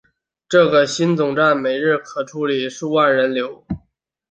这个新总站每日可处理数十万人流。